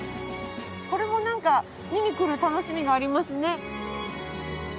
これもなんか見に来る楽しみがありますね。